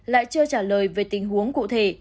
lại chưa trả lời về tình huống cụ thể